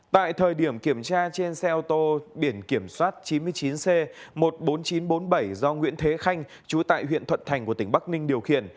tại thời điểm kiểm tra trên xe ô tô biển kiểm soát chín mươi chín c một mươi bốn nghìn chín trăm bốn mươi bảy do nguyễn thế khanh chú tại huyện thuận thành của tỉnh bắc ninh điều khiển